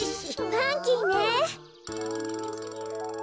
ファンキーね。